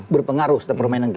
berpengaruh setiap permainan kita